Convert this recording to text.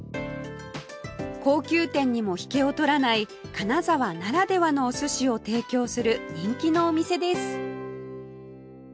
高級店にも引けを取らない金沢ならではのお寿司を提供する人気のお店です